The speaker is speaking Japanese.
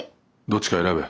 どっちか選べ。